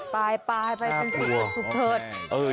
ไปไปเป็นสิ่งที่สุขเถิด